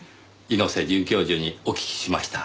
猪瀬准教授にお聞きしました。